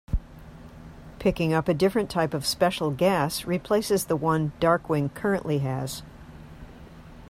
Picking up a different type of special gas replaces the one Darkwing currently has.